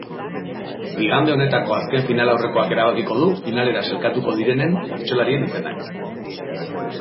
Igande honetako azken finalaurrekoak erabakiko du finalera sailkatuko direnenen bertsolarien izenak.